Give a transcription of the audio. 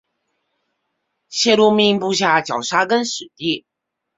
谢禄命部下绞杀更始帝。